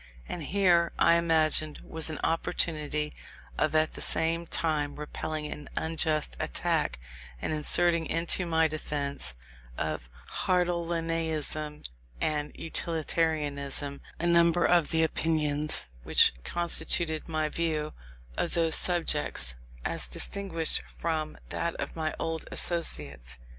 And here, I imagined, was an opportunity of at the same time repelling an unjust attack, and inserting into my defence of Hartleianism and Utilitarianism a number of the opinions which constituted my view of those subjects, as distinguished from that of my old associates.